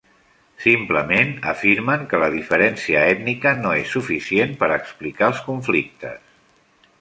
Simplement afirmen que la diferència ètnica no és suficient per explicar els conflictes.